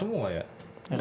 bukan asia semua ya